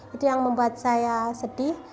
itu yang membuat saya sedih